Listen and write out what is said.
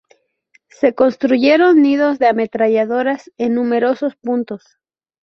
Se construyeron nidos de ametralladoras en numerosos puntos.